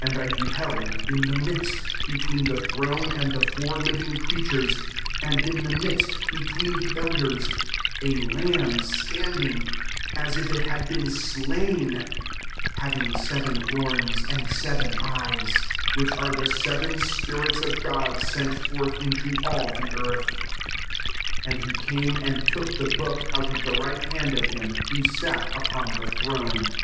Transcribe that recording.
6 And I be held, in the midst, between the throne and the four living crea tures, and in the midst, between the elders, a lamb standing, as if it had been slain, having se ven horns, and seven eyes; •which are the seven spirits of God sent forth into all the earth. 7 And he came and took \jhe book'] out of the right hand of him who sat upon the throne.